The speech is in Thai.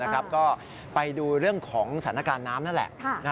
ก็ไปดูเรื่องของสถานการณ์น้ำนั่นแหละ